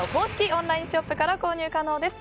オンラインショップから購入が可能です。